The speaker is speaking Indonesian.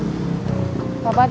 udah nanti aku mau pulang ke apotek